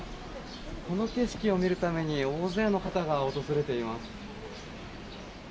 この景色を見るために大勢の方が訪れています。